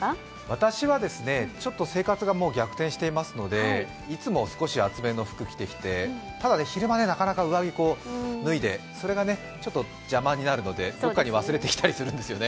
私はですね、ちょっと生活が逆転していますのでいつも少し厚めの服を着てきて、ただ昼間、なかなか上着脱いで、それがちょっと邪魔になるのでどこかに忘れてきたりするんですよね。